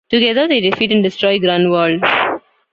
Together they defeat and destroy Grunwald.